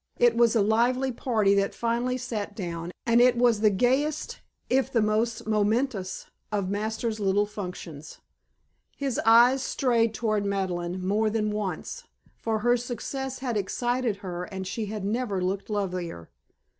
It was a lively party that finally sat down, and it was the gayest if the most momentous of Masters' little functions. His eyes strayed toward Madeleine more than once, for her success had excited her and she had never looked lovelier.